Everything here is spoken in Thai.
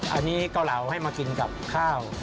อันนี้เกาเหลาให้มากินกับข้าว